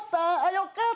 よかった。